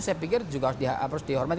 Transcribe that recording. saya pikir harus dihormati